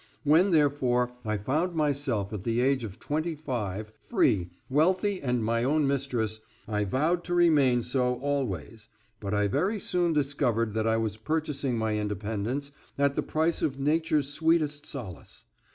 When therefore I found myself at the age of twenty five free, wealthy, and my own mistress, I vowed to remain so always, but I very soon discovered that I was purchasing my independence at the price of nature's sweetest solace.